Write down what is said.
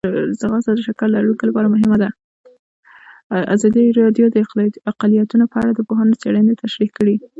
ازادي راډیو د اقلیتونه په اړه د پوهانو څېړنې تشریح کړې.